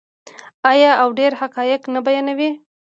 آیا او ډیر حقایق نه بیانوي؟